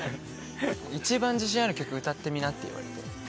「一番自信ある曲歌ってみな」って言われて。